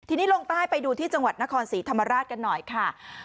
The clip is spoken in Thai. ทีนี้ลงใต้ไปดูที่จังหวัดนครศรีธรรมราชกันหน่อยค่ะ